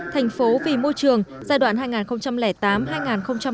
thành phố vì môi trường giai đoạn hai nghìn tám hai nghìn một mươi năm